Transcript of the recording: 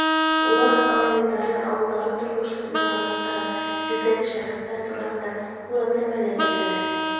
Улар райондары, ауылдары тормошо менән таныштыра, билдәле шәхестәр тураһында һүрәтләмәләр ебәрә.